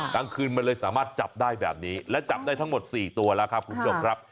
กลางคืนมันเลยสามารถจับได้แบบนี้และจับได้ทั้งหมด๔ตัวแล้วครับคุณผู้ชมครับ